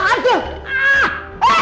ada apa sih